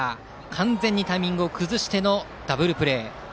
完全にタイミングを崩してのダブルプレー。